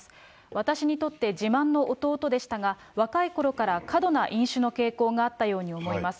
私にとって自慢の弟でしたが、若いころから過度な飲酒の傾向があったように思います。